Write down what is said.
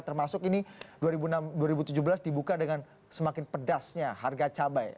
termasuk ini dua ribu tujuh belas dibuka dengan semakin pedasnya harga cabai